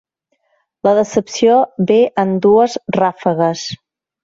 La decepció ve en dues ràfegues.